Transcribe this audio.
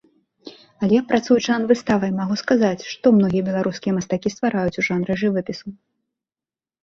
Але, працуючы над выставай, магу сказаць, што многія беларускія мастакі ствараюць у жанры жывапісу.